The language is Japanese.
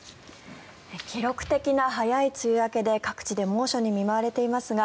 記録的な早い梅雨明けで各地で猛暑に見舞われていますが